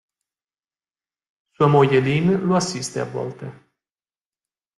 Sua moglie Lynn lo assiste a volte.